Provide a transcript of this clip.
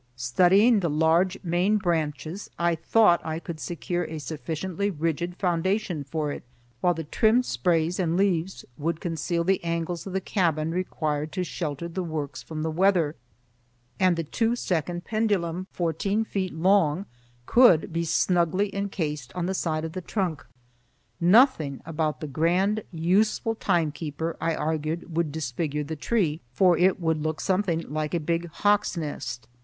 Studying the larger main branches, I thought I could secure a sufficiently rigid foundation for it, while the trimmed sprays and leaves would conceal the angles of the cabin required to shelter the works from the weather, and the two second pendulum, fourteen feet long, could be snugly encased on the side of the trunk. Nothing about the grand, useful timekeeper, I argued, would disfigure the tree, for it would look something like a big hawk's nest.